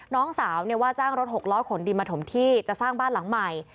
น้องสาวว่าจ้างรถหกล้อขนดินมาถมที่จะสร้างบ้านหลังใหม่